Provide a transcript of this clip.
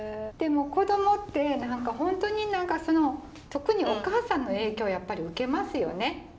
でも子どもって何か本当に特にお母さんの影響やっぱり受けますよね。